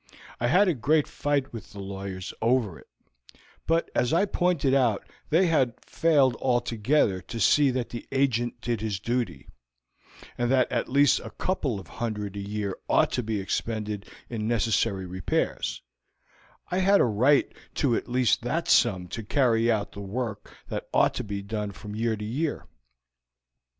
I had a great fight with the lawyers over it, but as I pointed out they had failed altogether to see that the agent did his duty, and that at least a couple of hundred a year ought to be expended in necessary repairs, I had a right to at least that sum to carry out the work that ought to be done from year to year.